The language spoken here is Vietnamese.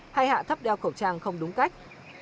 hay hạ thấp đeo khẩu trang không đúng cách